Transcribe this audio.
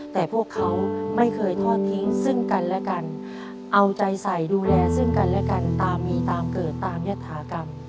แต่พวกเขาไม่เคยทอดทิ้งซึ่งกันและกันเอาใจใส่ดูแลซึ่งกันและกันตามมีตามเกิดตามยฐากรรม